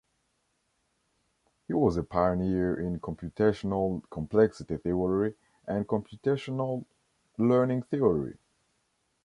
He was a pioneer in computational complexity theory and computational learning theory.